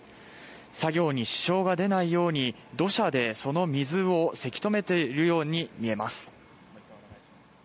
作業に支障が出ないように土砂でその水をせき止めているように見えます。